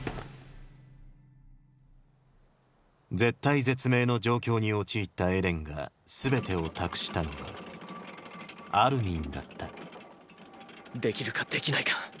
絶体絶命の状況に陥ったエレンが全てを託したのはアルミンだったできるかできないか。